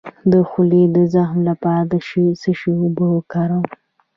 د خولې د زخم لپاره د څه شي اوبه وکاروم؟